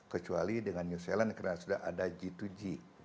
kecuali dengan new zealand karena sudah ada g dua g